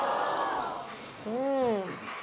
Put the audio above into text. うん。